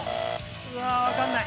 うわっわかんない。